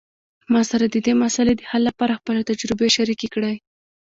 ما سره د دې مسئلې د حل لپاره خپلې تجربې شریکي کړئ